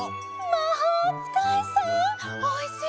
まほうつかいさんおいしいわ。